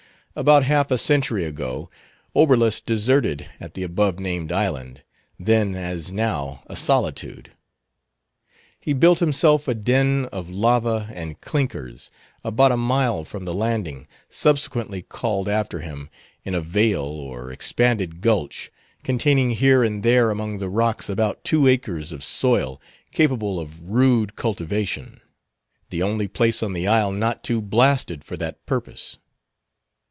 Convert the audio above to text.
About half a century ago, Oberlus deserted at the above named island, then, as now, a solitude. He built himself a den of lava and clinkers, about a mile from the Landing, subsequently called after him, in a vale, or expanded gulch, containing here and there among the rocks about two acres of soil capable of rude cultivation; the only place on the isle not too blasted for that purpose.